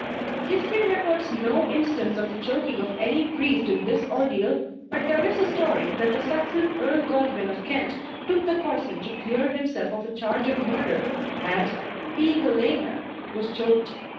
History records no instance of the choking of any priest in this ordeal, but there is a story that the Saxon Earl Godwin of Kent took the corsned to clear himself of a charge of murder, and (being a layman) was choked.